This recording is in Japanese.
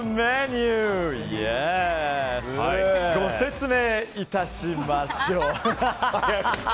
ご説明いたしましょう。